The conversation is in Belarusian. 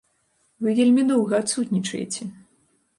Вы вельмі доўга адсутнічаеце.